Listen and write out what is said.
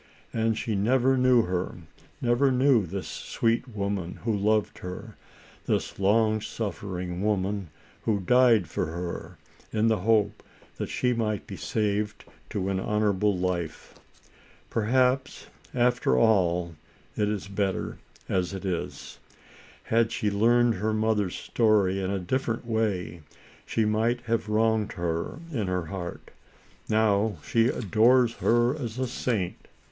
And she never knew her; never knew this sweet woman who loved her, this long suffering woman, who died for her, in the hope that she might be saved to an honorable life. Perhaps, after all, it is bet ter as it is. Had she learned her mother's story in a different way, she might have wronged her in her heart. Now she adores her as a saint.